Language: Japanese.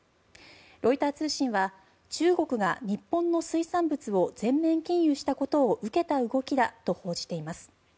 ロイター通信は中国が日本の水産物を全面禁輸したことを受けた動きだと報じています。